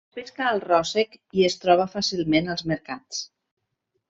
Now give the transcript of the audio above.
Es pesca al ròssec i es troba fàcilment als mercats.